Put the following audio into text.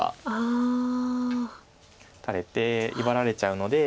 打たれて威張られちゃうので。